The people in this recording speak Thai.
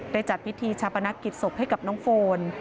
จัดพิธีชาปนกิจศพให้กับน้องโฟน